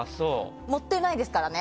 盛ってないですからね